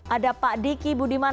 ada pak diki budiman